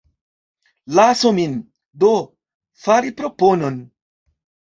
Lasu min, do, fari proponon.